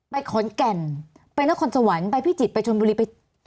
ไปขอนแก่นไปนครสวรรค์ไปพิจิตรไปชนบุรีไป